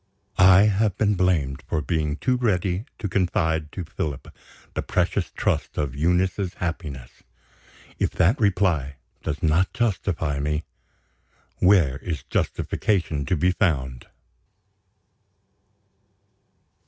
'" I have been blamed for being too ready to confide to Philip the precious trust of Eunice's happiness. If that reply does not justify me, where is justification to be found?